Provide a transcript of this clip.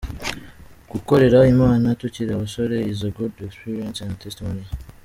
Gukorera Imana tukiri abasore is a good experience and testimony.